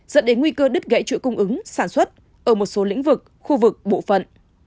dẫn đến nguy cơ đứt gãy chuỗi cung ứng sản xuất ở một số lĩnh vực khu vực bộ phận